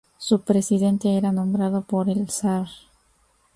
Su presidente era nombrado por el zar.